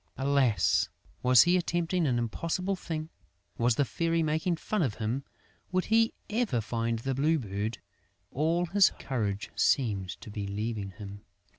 Alas, was he attempting an impossible thing? Was the Fairy making fun of him? Would he ever find the Blue Bird? All his courage seemed to be leaving him....